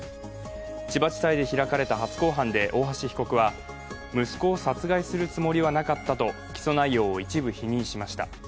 千葉地裁で開かれた初公判で大橋被告は、息子を殺害するつもりはなかったと起訴内容を一部否認しました。